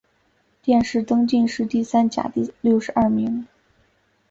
殿试登进士第三甲第六十二名。